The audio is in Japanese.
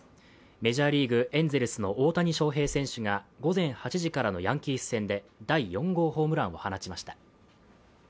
メジャーリーグ、エンゼルスの大谷翔平選手が午前８時からのヤンキース戦で第４号ホームランを放ちました。